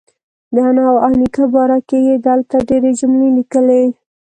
د انا او نیکه باره کې یې دلته ډېرې جملې لیکلي.